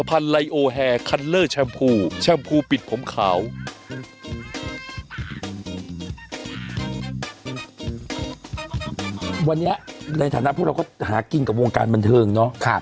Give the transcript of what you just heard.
วันนี้ในฐานะพวกเราก็หากินกับวงการบันเทิงเนาะ